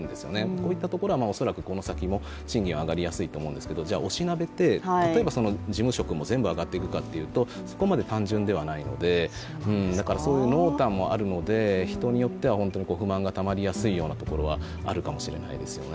こういったところはこの先も賃金上がりやすいと思うんですけどおしなべて例えば事務職も全部上がっていくかというと、そこまで単純ではないので、だから、そういう濃淡もあるので人によっては不満がたまりやすいようなことがあるかもしれないですよね。